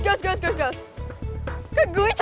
kok gue cantik banget ya